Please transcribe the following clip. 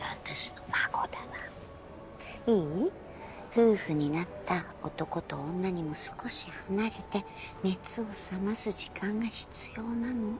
夫婦になった男と女にも少し離れて熱を冷ます時間が必要なの。